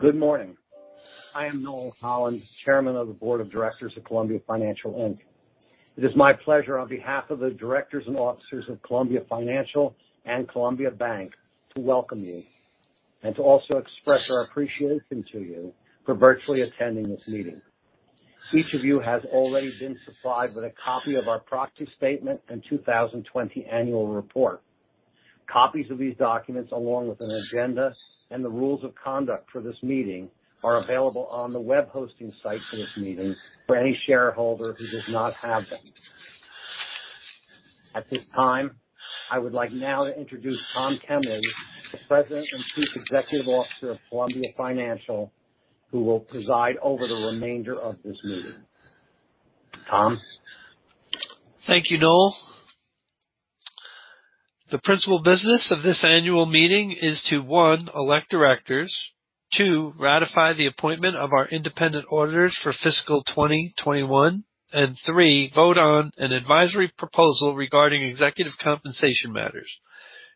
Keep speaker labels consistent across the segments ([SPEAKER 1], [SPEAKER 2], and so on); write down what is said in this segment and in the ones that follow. [SPEAKER 1] Good morning. I am Noel R. Holland, Chairman of the Board of Directors of Columbia Financial, Inc. It is my pleasure on behalf of the directors and officers of Columbia Financial and Columbia Bank to welcome you, and to also express our appreciation to you for virtually attending this meeting. Each of you has already been supplied with a copy of our proxy statement and 2020 annual report. Copies of these documents, along with an agenda and the rules of conduct for this meeting, are available on the web hosting site for this meeting for any shareholder who does not have them. At this time, I would like now to introduce Tom Kemly, the President and Chief Executive Officer of Columbia Financial, who will preside over the remainder of this meeting. Tom?
[SPEAKER 2] Thank you, Noel. The principal business of this annual meeting is to, one, elect directors, two, ratify the appointment of our independent auditors for fiscal 2021, and three, vote on an advisory proposal regarding executive compensation matters.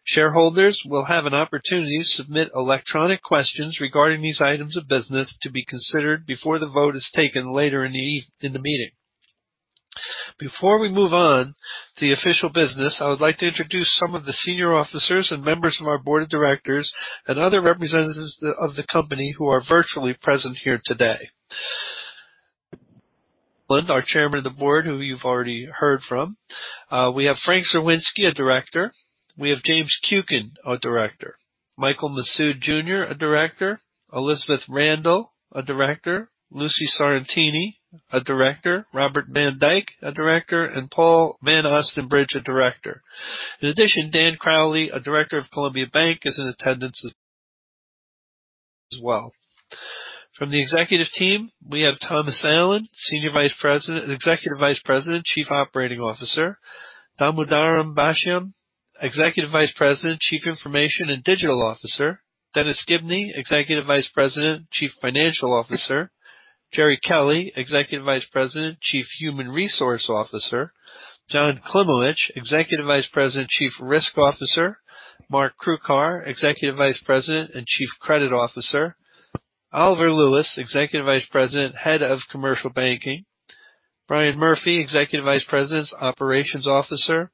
[SPEAKER 2] Shareholders will have an opportunity to submit electronic questions regarding these items of business to be considered before the vote is taken later in the meeting. Before we move on to the official business, I would like to introduce some of the senior officers and members of our board of directors and other representatives of the company who are virtually present here today. Our chairman of the board, who you've already heard from. We have Frank Czerwinski, a director. We have James Kuiken, a director. Michael Massood Jr., a director. Elizabeth Randall, a director. Lucy Sorrentini, a director. Robert Van Dyk, a director, and Paul Van Ostenbridge, a director. In addition, Dan Crowley, a Director of Columbia Bank, is in attendance as well. From the executive team, we have Thomas Allen, Senior Vice President and Executive Vice President, Chief Operating Officer. Damodaram Bashyam, Executive Vice President, Chief Information and Digital Officer. Dennis Gibney, Executive Vice President, Chief Financial Officer. Geri Kelly, Executive Vice President, Chief Human Resources Officer. John Klimowich, Executive Vice President, Chief Risk Officer. Mark Krukar, Executive Vice President and Chief Credit Officer. Oliver Lewis, Executive Vice President, Head of Commercial Banking. Brian Murphy, Executive Vice President, Operations Officer.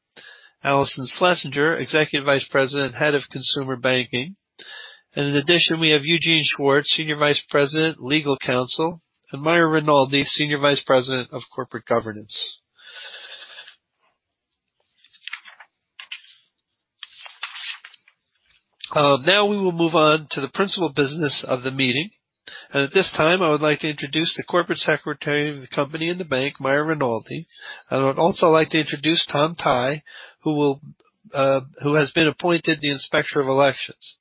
[SPEAKER 2] Allyson Schlesinger, Executive Vice President, Head of Consumer Banking. In addition, we have Eugene Schwartz, Senior Vice President, Legal Counsel, and Mayra Rinaldi, Senior Vice President of Corporate Governance. Now we will move on to the principal business of the meeting. At this time, I would like to introduce the Corporate Secretary of the company and the bank, Mayra Rinaldi. I would also like to introduce Tom Tai, who has been appointed the Inspector of Elections.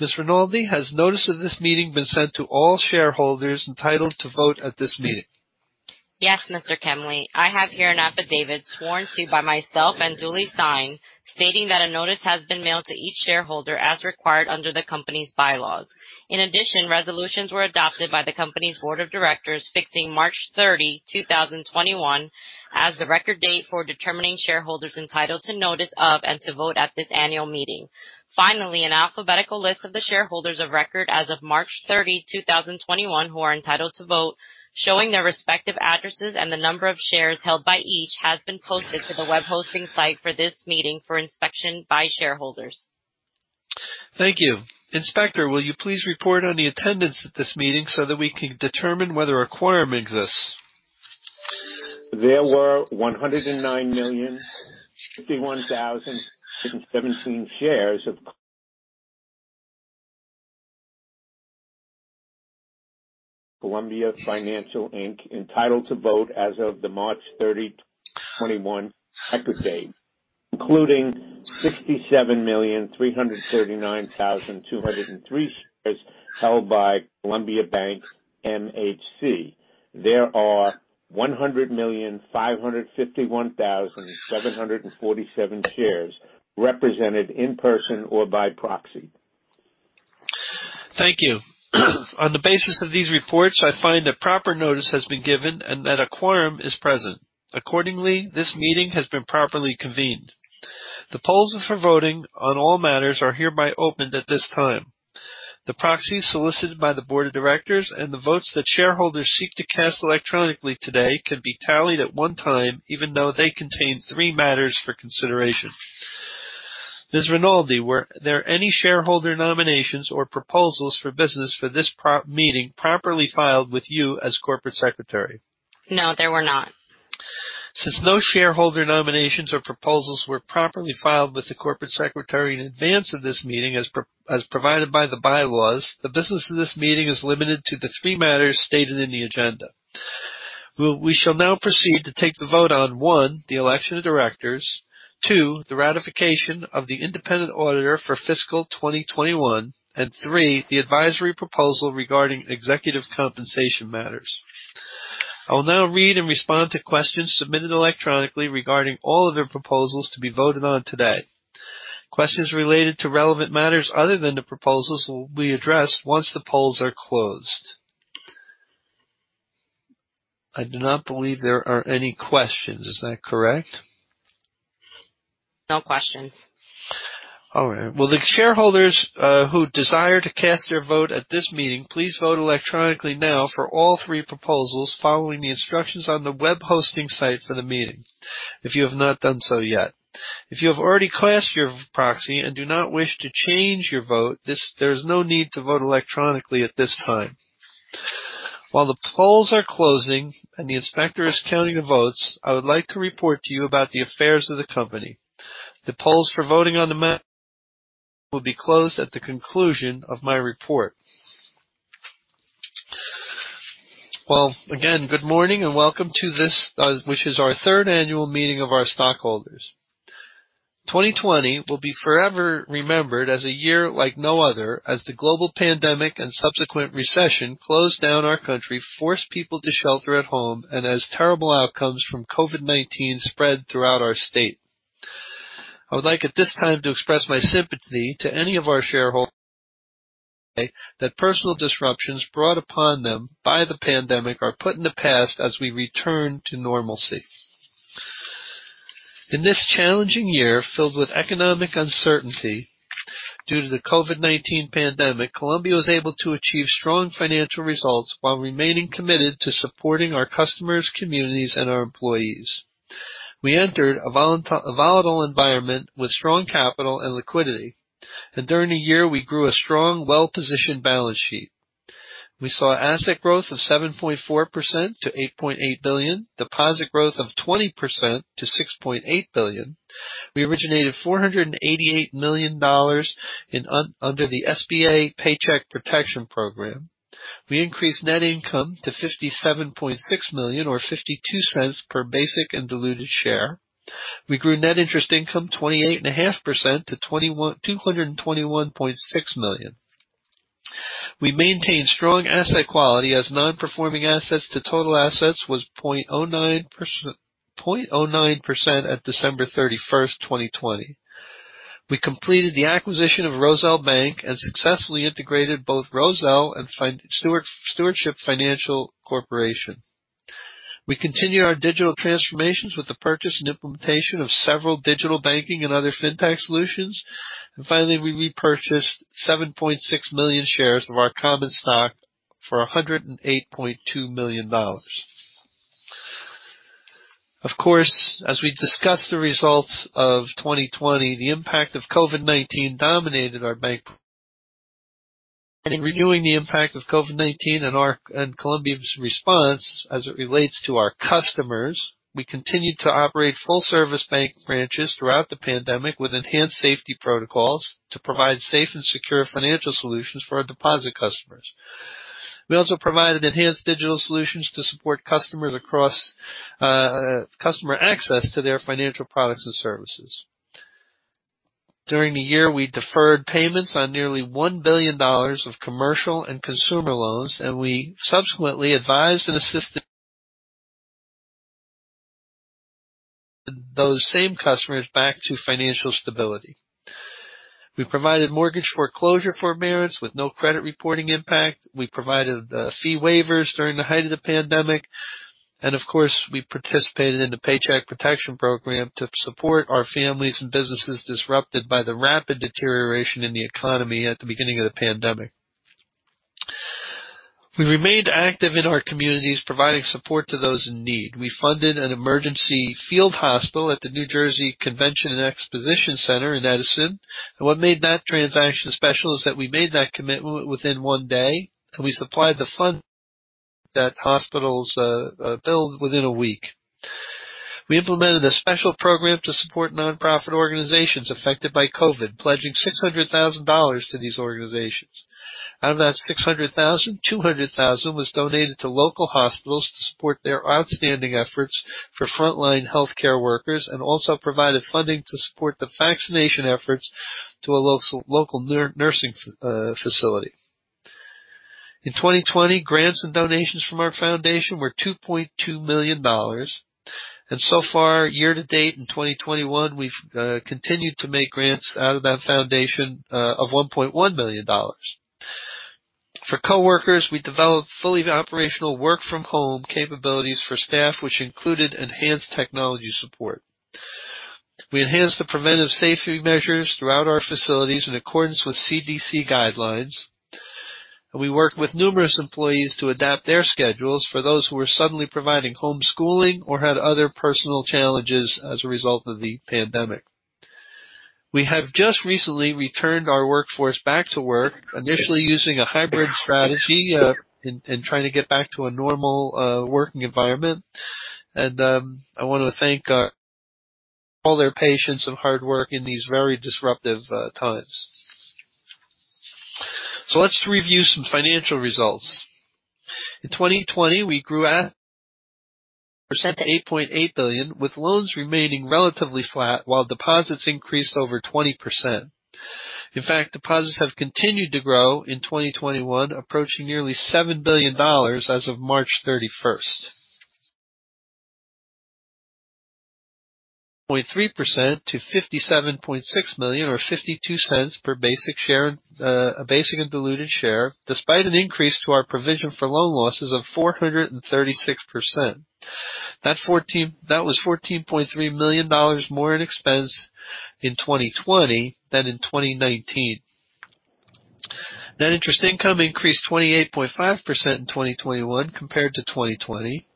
[SPEAKER 2] Ms. Rinaldi, has notice of this meeting been sent to all shareholders entitled to vote at this meeting?
[SPEAKER 3] Yes, Mr. Kemly. I have here an affidavit sworn to by myself and duly signed, stating that a notice has been mailed to each shareholder as required under the company's bylaws. In addition, resolutions were adopted by the company's board of directors fixing March 30, 2021, as the record date for determining shareholders entitled to notice of and to vote at this annual meeting. Finally, an alphabetical list of the shareholders of record as of March 30, 2021, who are entitled to vote, showing their respective addresses and the number of shares held by each, has been posted to the web hosting site for this meeting for inspection by shareholders.
[SPEAKER 2] Thank you. Inspector, will you please report on the attendance at this meeting so that we can determine whether a quorum exists?
[SPEAKER 4] There were 109,061,617 shares of Columbia Financial, Inc. entitled to vote as of the March 30, 2021 record date, including 67,339,203 shares held by Columbia Bank MHC. There are 100,551,747 shares represented in person or by proxy.
[SPEAKER 2] Thank you. On the basis of these reports, I find that proper notice has been given and that a quorum is present. Accordingly, this meeting has been properly convened. The polls for voting on all matters are hereby opened at this time. The proxies solicited by the board of directors and the votes that shareholders seek to cast electronically today can be tallied at one time, even though they contain three matters for consideration. Ms. Rinaldi, were there any shareholder nominations or proposals for business for this meeting properly filed with you as Corporate Secretary?
[SPEAKER 3] No, there were not.
[SPEAKER 2] Since no shareholder nominations or proposals were properly filed with the corporate secretary in advance of this meeting as provided by the bylaws, the business of this meeting is limited to the three matters stated in the agenda. We shall now proceed to take the vote on, one, the election of directors, two, the ratification of the independent auditor for fiscal 2021, and three, the advisory proposal regarding executive compensation matters. I will now read and respond to questions submitted electronically regarding all other proposals to be voted on today. Questions related to relevant matters other than the proposals will be addressed once the polls are closed. I do not believe there are any questions. Is that correct?
[SPEAKER 3] No questions.
[SPEAKER 2] All right. Will the shareholders who desire to cast their vote at this meeting, please vote electronically now for all three proposals following the instructions on the web hosting site for the meeting if you have not done so yet. If you have already cast your proxy and do not wish to change your vote, there's no need to vote electronically at this time. While the polls are closing and the inspector is counting the votes, I would like to report to you about the affairs of the company. The polls for voting on the matter will be closed at the conclusion of my report. Well, again, good morning and welcome to this, which is our third annual meeting of our stockholders. 2020 will be forever remembered as a year like no other, as the global pandemic and subsequent recession closed down our country, forced people to shelter at home, and as terrible outcomes from COVID-19 spread throughout our state. I would like at this time to express my sympathy to any of our shareholders that personal disruptions brought upon them by the pandemic are put in the past as we return to normalcy. In this challenging year filled with economic uncertainty due to the COVID-19 pandemic, Columbia was able to achieve strong financial results while remaining committed to supporting our customers, communities, and our employees. We entered a volatile environment with strong capital and liquidity. During the year, we grew a strong, well-positioned balance sheet. We saw asset growth of 7.4% to $8.8 billion, deposit growth of 20% to $6.8 billion. We originated $488 million under the SBA Paycheck Protection Program. We increased net income to $57.6 million or $0.52 per basic and diluted share. We grew net interest income 28.5% to $221.6 million. We maintained strong asset quality as non-performing assets to total assets was 0.09% at December 31st, 2020. We completed the acquisition of Roselle Bank and successfully integrated both Roselle and Stewardship Financial Corporation. We continue our digital transformations with the purchase and implementation of several digital banking and other fintech solutions. Finally, we repurchased 7.6 million shares of our common stock for $108.2 million. Of course, as we discuss the results of 2020, the impact of COVID-19 dominated our bank. In reviewing the impact of COVID-19 and Columbia's response as it relates to our customers, we continued to operate full-service bank branches throughout the pandemic with enhanced safety protocols to provide safe and secure financial solutions for our deposit customers. We also provided enhanced digital solutions to support customer access to their financial products and services. During the year, we deferred payments on nearly $1 billion of commercial and consumer loans. We subsequently advised and assisted those same customers back to financial stability. We provided mortgage foreclosure forbearance with no credit reporting impact. We provided fee waivers during the height of the pandemic. Of course, we participated in the Paycheck Protection Program to support our families and businesses disrupted by the rapid deterioration in the economy at the beginning of the pandemic. We remained active in our communities, providing support to those in need. We funded an emergency field hospital at the New Jersey Convention and Exposition Center in Edison. What made that transaction special is that we made that commitment within one day, and we supplied the funds for that hospital's bill within a week. We implemented a special program to support nonprofit organizations affected by COVID-19, pledging $600,000 to these organizations. Out of that $600,000, $200,000 was donated to local hospitals to support their outstanding efforts for frontline healthcare workers and also provided funding to support the vaccination efforts to a local nursing facility. In 2020, grants and donations from our foundation were $2.2 million. So far, year to date in 2021, we've continued to make grants out of that foundation of $1.1 million. For coworkers, we developed fully operational work-from-home capabilities for staff, which included enhanced technology support. We enhanced the preventive safety measures throughout our facilities in accordance with CDC guidelines. We worked with numerous employees to adapt their schedules for those who were suddenly providing homeschooling or had other personal challenges as a result of the pandemic. We have just recently returned our workforce back to work, initially using a hybrid strategy and trying to get back to a normal working environment. I want to thank all their patience and hard work in these very disruptive times. Let's review some financial results. In 2020, we grew at 7.4% to $8.8 billion, with loans remaining relatively flat while deposits increased over 20%. In fact, deposits have continued to grow in 2021, approaching nearly $7 billion as of March 31st. 0.3% to $57.6 million, or $0.52 per basic and diluted share, despite an increase to our provision for loan losses of 436%. That was $14.3 million more in expense in 2020 than in 2019. Net interest income increased 28.5% in 2021 compared to 2020.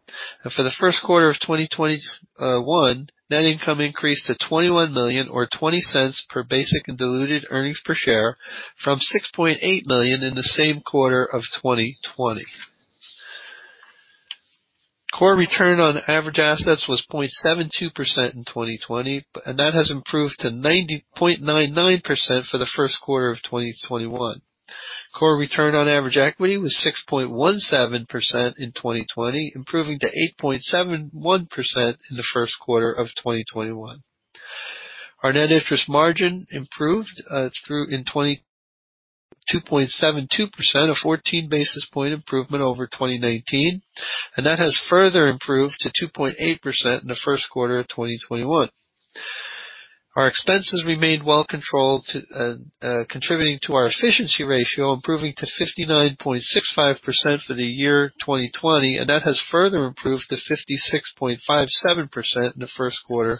[SPEAKER 2] For the first quarter of 2021, net income increased to $21 million or $0.20 per basic and diluted earnings per share from $6.8 million in the same quarter of 2020. Core return on average assets was 0.72% in 2020, and that has improved to 90.99% for the first quarter of 2021. Core return on average equity was 6.17% in 2020, improving to 8.71% in the first quarter of 2021. Our net interest margin improved in 22.72%, a 14 basis point improvement over 2019, and that has further improved to 2.8% in the first quarter of 2021. Our expenses remained well controlled, contributing to our efficiency ratio improving to 59.65% for the year 2020, and that has further improved to 56.57% in the first quarter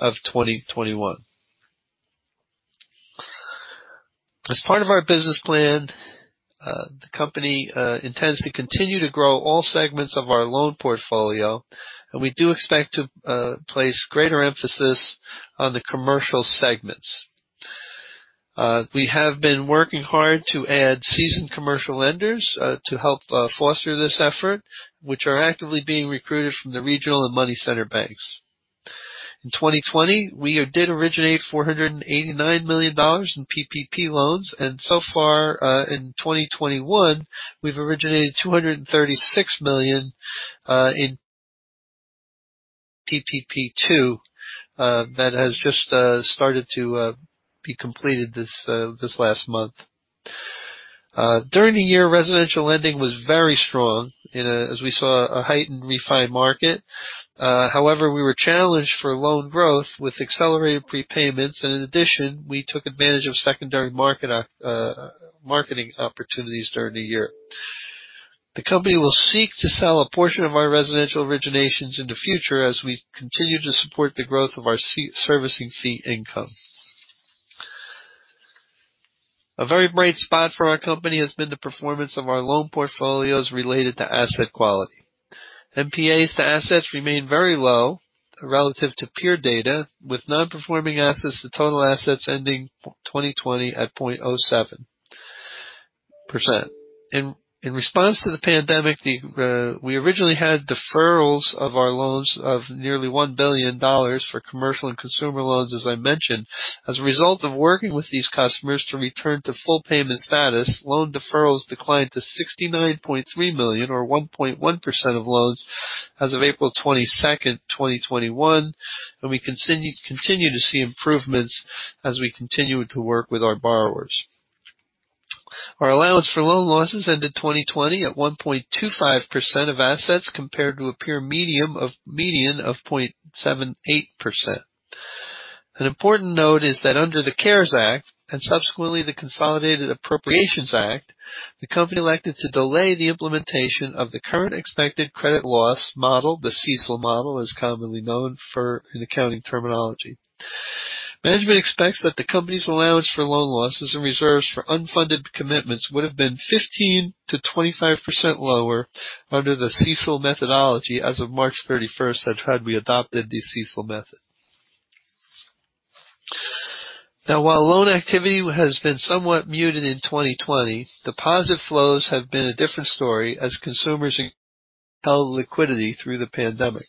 [SPEAKER 2] of 2021. As part of our business plan, the company intends to continue to grow all segments of our loan portfolio, and we do expect to place greater emphasis on the commercial segments. We have been working hard to add seasoned commercial lenders to help foster this effort, which are actively being recruited from the regional and money center banks. In 2020, we did originate $489 million in PPP loans, so far in 2021, we've originated $236 million in PPP2. That has just started to be completed this last month. During the year, residential lending was very strong as we saw a heightened refi market. However, we were challenged for loan growth with accelerated prepayments, and in addition, we took advantage of secondary marketing opportunities during the year. The company will seek to sell a portion of our residential originations in the future as we continue to support the growth of our servicing fee income. A very bright spot for our company has been the performance of our loan portfolios related to asset quality. NPAs to assets remain very low relative to peer data, with non-performing assets to total assets ending 2020 at 0.07%. In response to the pandemic, we originally had deferrals of our loans of nearly $1 billion for commercial and consumer loans, as I mentioned. As a result of working with these customers to return to full payment status, loan deferrals declined to $69.3 million or 1.1% of loans as of April 22nd, 2021, and we continue to see improvements as we continue to work with our borrowers. Our allowance for loan losses ended 2020 at 1.25% of assets compared to a peer median of 0.78%. An important note is that under the CARES Act and subsequently the Consolidated Appropriations Act, the company elected to delay the implementation of the current expected credit loss model, the CECL model is commonly known for in accounting terminology. Management expects that the company's allowance for loan losses and reserves for unfunded commitments would have been 15%-25% lower under the CECL methodology as of March 31, had we adopted the CECL method. Now, while loan activity has been somewhat muted in 2020, deposit flows have been a different story as consumers held liquidity through the pandemic.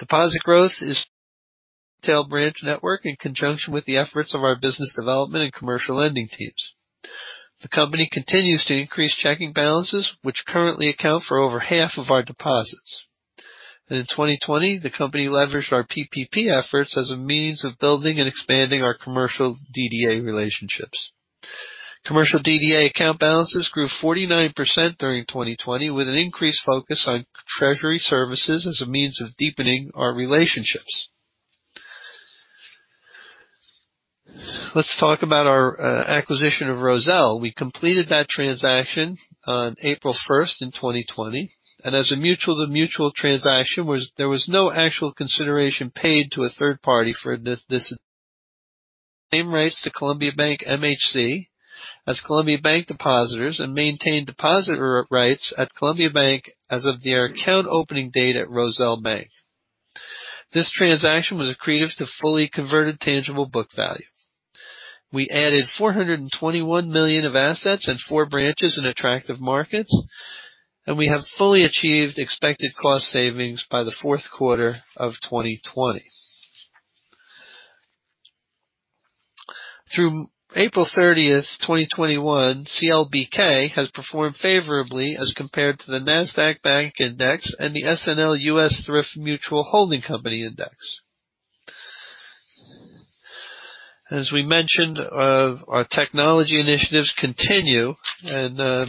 [SPEAKER 2] Deposit growth is retail branch network in conjunction with the efforts of our business development and commercial lending teams. The company continues to increase checking balances, which currently account for over half of our deposits. In 2020, the company leveraged our PPP efforts as a means of building and expanding our commercial DDA relationships. Commercial DDA account balances grew 49% during 2020 with an increased focus on treasury services as a means of deepening our relationships. Let's talk about our acquisition of Roselle. We completed that transaction on April 1st in 2020, and as a mutual-to-mutual transaction, there was no actual consideration paid to a third party for this. Same rights to Columbia Bank MHC as Columbia Bank depositors and maintained depositor rights at Columbia Bank as of the account opening date at Roselle Bank. This transaction was accretive to fully converted tangible book value. We added $421 million of assets and four branches in attractive markets, and we have fully achieved expected cost savings by the fourth quarter of 2020. Through April 30th, 2021, CLBK has performed favorably as compared to the Nasdaq Bank Index and the SNL US Thrift Mutual Holding Company Index. As we mentioned, our technology initiatives continue, and I'd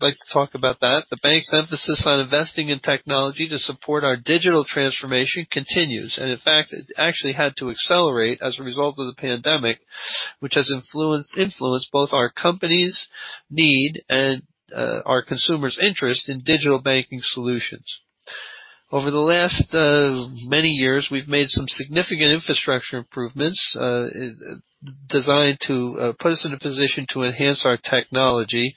[SPEAKER 2] like to talk about that. The bank's emphasis on investing in technology to support our digital transformation continues, and in fact, it actually had to accelerate as a result of the pandemic, which has influenced both our company's need and our consumers' interest in digital banking solutions. Over the last many years, we've made some significant infrastructure improvements designed to put us in a position to enhance our technology,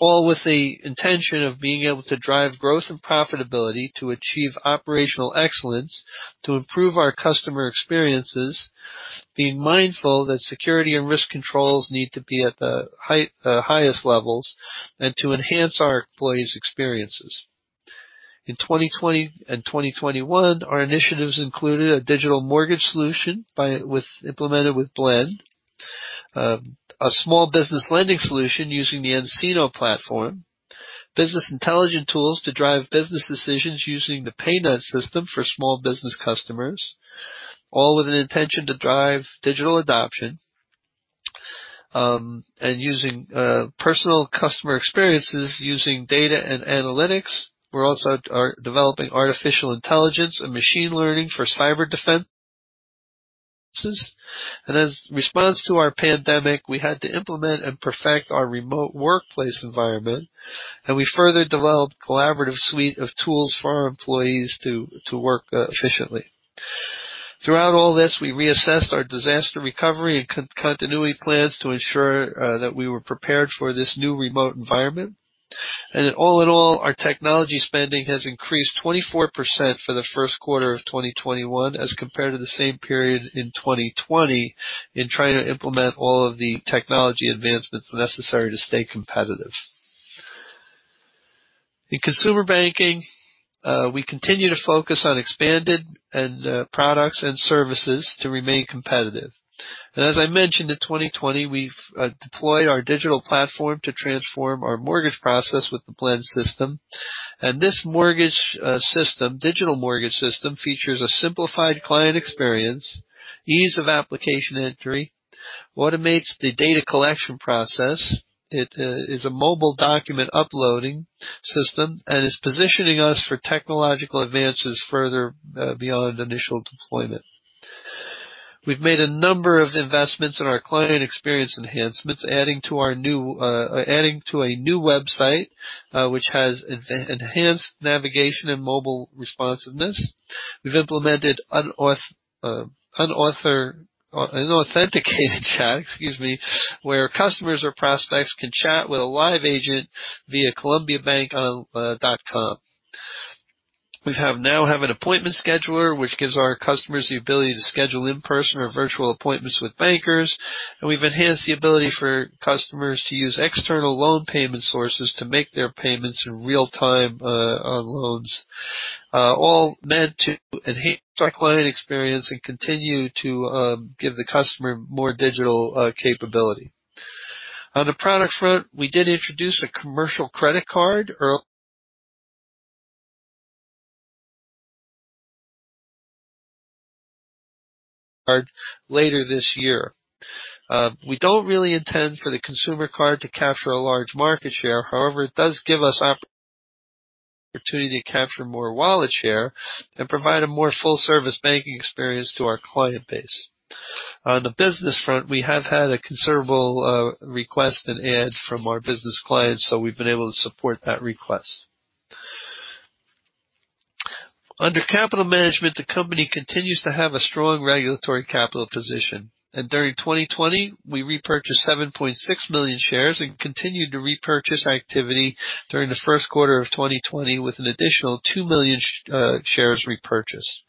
[SPEAKER 2] all with the intention of being able to drive growth and profitability to achieve operational excellence, to improve our customer experiences, being mindful that security and risk controls need to be at the highest levels, and to enhance our employees' experiences. In 2020 and 2021, our initiatives included a digital mortgage solution implemented with Blend, a small business lending solution using the nCino platform, business intelligence tools to drive business decisions using the PayNet system for small business customers, all with an intention to drive digital adoption. Using personal customer experiences using data and analytics. We're also developing artificial intelligence and machine learning for cyber defenses. In response to our pandemic, we had to implement and perfect our remote workplace environment, and we further developed a collaborative suite of tools for our employees to work efficiently. Throughout all this, we reassessed our disaster recovery and continuity plans to ensure that we were prepared for this new remote environment. All in all, our technology spending has increased 24% for the first quarter of 2021 as compared to the same period in 2020 in trying to implement all of the technology advancements necessary to stay competitive. In consumer banking, we continue to focus on expanded products and services to remain competitive. As I mentioned, in 2020, we've deployed our digital platform to transform our mortgage process with the Blend system. This digital mortgage system features a simplified client experience, ease of application entry, automates the data collection process. It is a mobile document uploading system and is positioning us for technological advances further beyond initial deployment. We've made a number of investments in our client experience enhancements, adding to a new website, which has enhanced navigation and mobile responsiveness. We've implemented an authenticated chat, excuse me, where customers or prospects can chat with a live agent via columbiabankonline.com. We now have an appointment scheduler, which gives our customers the ability to schedule in-person or virtual appointments with bankers, and we've enhanced the ability for customers to use external loan payment sources to make their payments in real-time on loans, all meant to enhance our client experience and continue to give the customer more digital capability. On the product front, we did introduce a commercial credit card earlier this year. We don't really intend for the consumer card to capture a large market share. However, it does give us an opportunity to capture more wallet share and provide a more full-service banking experience to our client base. On the business front, we have had a considerable request in adds from our business clients, so we've been able to support that request. Under capital management, the company continues to have a strong regulatory capital position. During 2020, we repurchased 7.6 million shares and continued the repurchase activity during the first quarter of 2020 with an additional 2 million shares repurchased.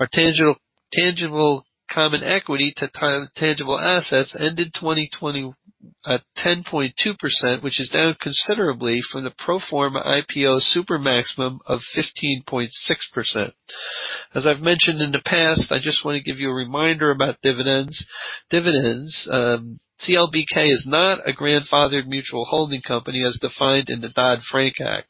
[SPEAKER 2] Our tangible common equity to tangible assets ended 2020 at 10.2%, which is down considerably from the pro forma IPO super maximum of 15.6%. As I've mentioned in the past, I just want to give you a reminder about dividends. CLBK is not a grandfathered mutual holding company as defined in the Dodd-Frank Act,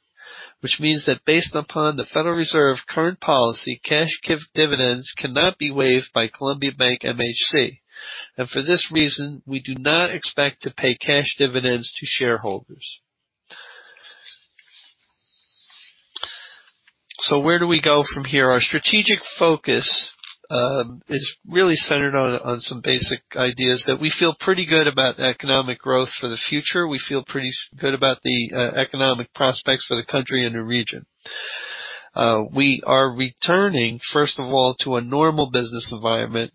[SPEAKER 2] which means that based upon the Federal Reserve current policy, cash dividends cannot be waived by Columbia Bank MHC. For this reason, we do not expect to pay cash dividends to shareholders. Where do we go from here? Our strategic focus is really centered on some basic ideas that we feel pretty good about economic growth for the future. We feel pretty good about the economic prospects of the country and the region. We are returning, first of all, to a normal business environment.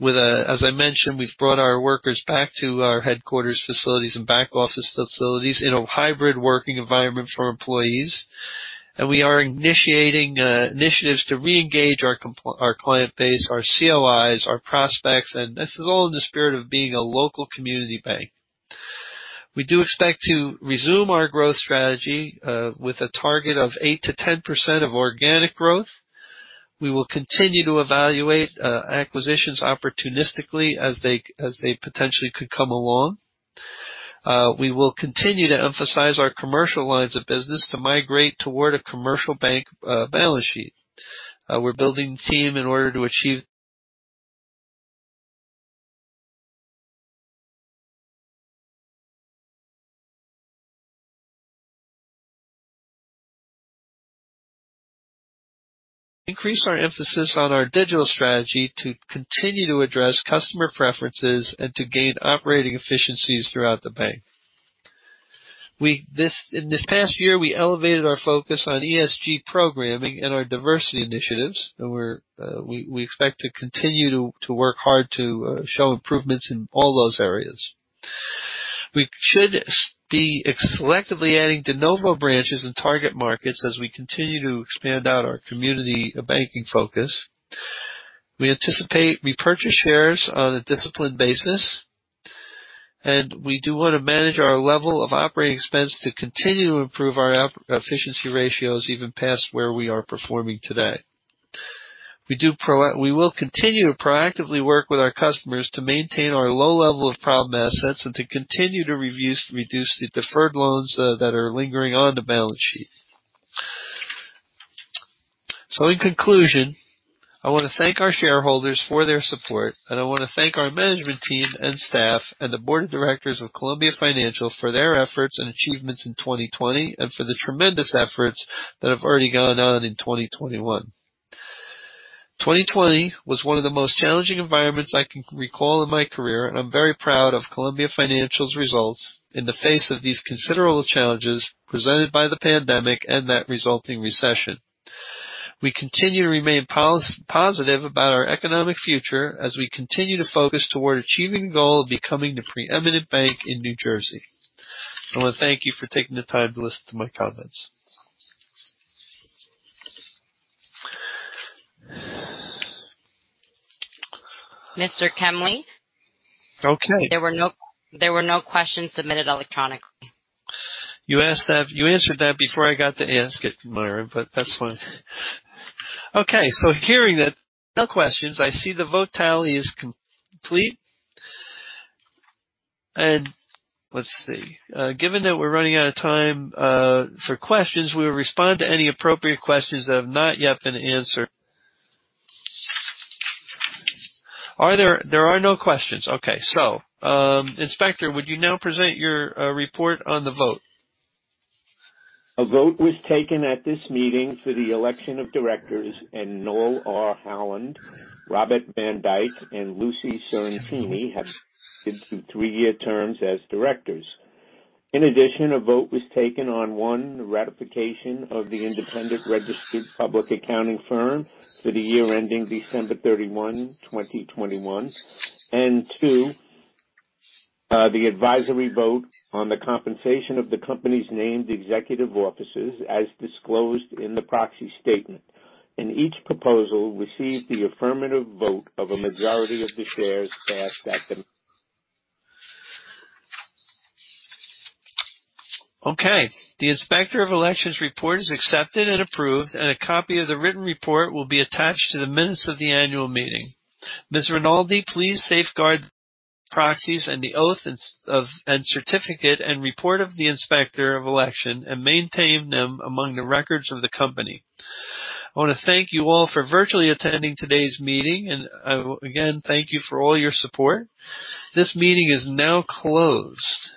[SPEAKER 2] As I mentioned, we've brought our workers back to our headquarters facilities and back office facilities in a hybrid working environment for employees. We are initiating initiatives to reengage our client base, our COIs, our prospects, and this is all in the spirit of being a local community bank. We do expect to resume our growth strategy with a target of 8%-10% of organic growth. We will continue to evaluate acquisitions opportunistically as they potentially could come along. We will continue to emphasize our commercial lines of business to migrate toward a commercial bank balance sheet. We're building team in order to achieve increase our emphasis on our digital strategy to continue to address customer preferences and to gain operating efficiencies throughout the bank. In this past year, we elevated our focus on ESG programming and our diversity initiatives. We expect to continue to work hard to show improvements in all those areas. We should be selectively adding de novo branches in target markets as we continue to expand out our community banking focus. We anticipate repurchase shares on a disciplined basis, and we do want to manage our level of operating expense to continue to improve our efficiency ratios even past where we are performing today. We will continue to proactively work with our customers to maintain our low level of problem assets and to continue to reduce the deferred loans that are lingering on the balance sheet. In conclusion, I want to thank our shareholders for their support, and I want to thank our management team and staff and the board of directors of Columbia Financial for their efforts and achievements in 2020 and for the tremendous efforts that have already gone on in 2021. 2020 was one of the most challenging environments I can recall in my career. I'm very proud of Columbia Financial's results in the face of these considerable challenges presented by the pandemic and that resulting recession. We continue to remain positive about our economic future as we continue to focus toward achieving the goal of becoming the preeminent bank in New Jersey. I want to thank you for taking the time to listen to my comments.
[SPEAKER 3] Mr. Kemly.
[SPEAKER 2] Okay.
[SPEAKER 3] There were no questions submitted electronically.
[SPEAKER 2] You answered that before I got to ask it, Mayra, but that's fine. Hearing that there are no questions, I see the vote tally is complete. Let's see. Given that we're running out of time for questions, we will respond to any appropriate questions that have not yet been answered. There are no questions. Inspector, would you now present your report on the vote?
[SPEAKER 4] A vote was taken at this meeting for the election of directors, and Noel R. Holland, Robert Van Dyk, and Lucy Sorrentini have been elected to three-year terms as directors. In addition, a vote was taken on, one, the ratification of the independent registered public accounting firm for the year ending December 31, 2021, and two, the advisory vote on the compensation of the company's named executive officers as disclosed in the proxy statement, each proposal received the affirmative vote of a majority of the shares cast at the meeting.
[SPEAKER 2] Okay. A copy of the written report will be attached to the minutes of the annual meeting. Ms. Rinaldi, please safeguard the proxies and the oath and certificate and report of the Inspector of Elections and maintain them among the records of the company. I want to thank you all for virtually attending today's meeting, and again, thank you for all your support. This meeting is now closed.